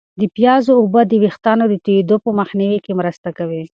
د پیازو اوبه د ویښتانو د توییدو په مخنیوي کې مرسته کوي.